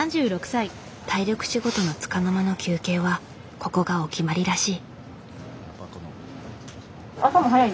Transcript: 体力仕事のつかの間の休憩はここがお決まりらしい。